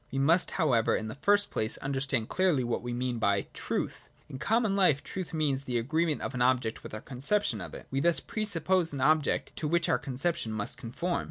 We must however in the first place un derstand clearly what we mean by Truth. In common life ) truth means the agreement of an object with our conception ' of it. We thus pre suppose an object to which our concep tion must conform.